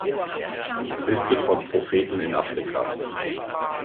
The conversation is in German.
Liste von Propheten in Afrika